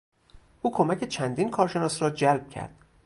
او کمک چندین کارشناس را جلب کرد.